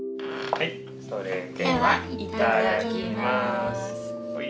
はいそれでは頂きます。